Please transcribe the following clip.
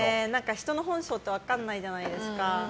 人の本性って分かんないじゃないですか。